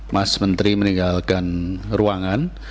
mas menteri meninggalkan ruangan